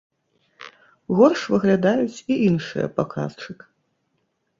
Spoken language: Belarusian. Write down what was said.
Горш выглядаюць і іншыя паказчык.